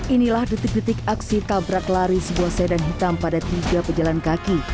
inilah detik detik aksi tabrak lari sebuah sedan hitam pada tiga pejalan kaki